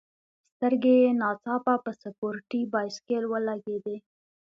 سترګي یې نا ځاپه په سپورټي بایسکل ولګېدې.